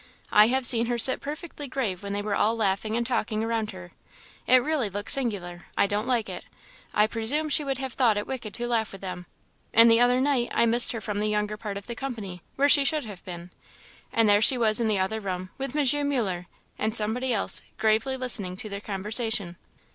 I have seen her sit perfectly grave when they were all laughing and talking around her it really looks singular I don't like it I presume she would have thought it wicked to laugh with them. And the other night I missed her from the younger part of the company, where she should have been, and there she was in the other room with M. Muller and somebody else, gravely listening to their conversation!"